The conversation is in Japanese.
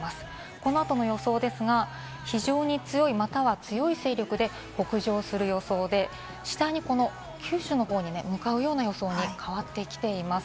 この後の予想ですが、非常に強い、または強い勢力で北上する予想で、次第に、この九州の方に向かう予想に変わってきています。